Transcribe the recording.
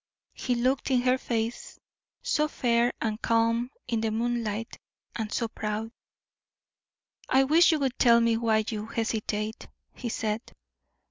He looked in her face, so fair and calm in the moonlight, and so proud. "I wish you would tell me why you hesitate?" he said.